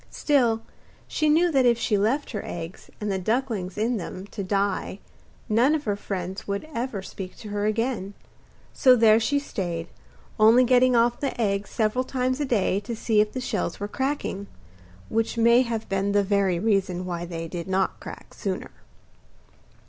Still, she knew that if she left her eggs and the ducklings in them to die none of her friends would ever speak to her again; so there she stayed, only getting off the eggs several times a day to see if the shells were cracking which may have been the very reason why they did not crack sooner.